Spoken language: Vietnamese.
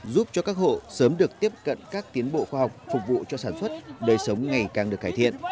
giúp cho các hộ sớm được tiếp cận các tiến bộ khoa học phục vụ cho sản xuất đời sống ngày càng được cải thiện